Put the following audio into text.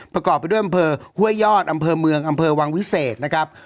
ประกอบไปด้วยอำเภอห้วยยอดอำเภอเมืองอำเภอวังวิเศษนะครับ